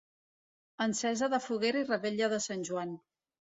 Encesa de foguera i revetlla de Sant Joan.